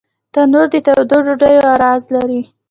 تنور د تودو ډوډیو راز لري